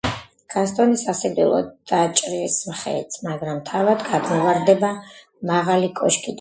გასტონი სასიკვდილოდ დაჭრის მხეცს, მაგრამ თავად გადმოვარდება მაღალი კოშკიდან.